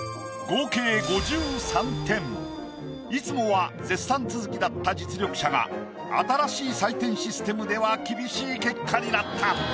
いつもは絶賛続きだった実力者が新しい採点システムでは厳しい結果になった。